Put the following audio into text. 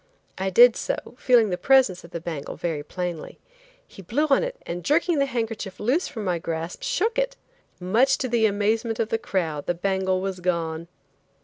I did so, feeling the presence of the bangle very plainly. He blew on it and jerking the handkerchief loose from my grasp, shook it. Much to the amazement of the crowd the bangle was gone.